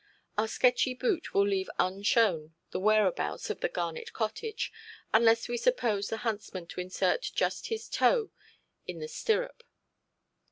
Our sketchy boot will leave unshown the whereabouts of the Garnet cottage, unless we suppose the huntsman to insert just his toe in the stirrup.